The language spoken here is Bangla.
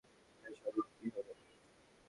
এই শহরের কী হবে?